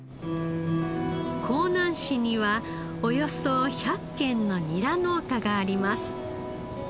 香南市にはおよそ１００軒のニラ農家があります。